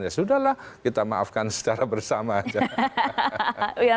ya sudah lah kita maafkan secara bersama aja